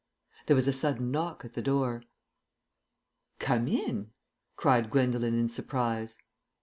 There was a sudden knock at the door. "Come in," cried Gwendolen in surprise.